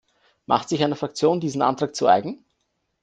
Macht sich eine Fraktion diesen Antrag zu eigen?